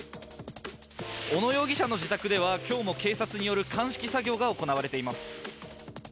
小野容疑者の自宅では、今日も警察による鑑識作業が行われています。